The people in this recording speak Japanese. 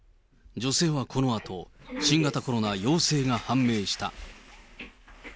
女性はこのあと、新型コロナ陽性が判明した。